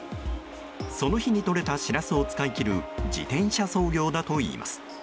その日にとれたシラスを使い切る自転車操業だといいます。